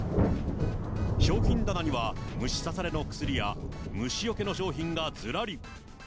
商品棚には虫刺されの薬や虫よけの商品がずらり。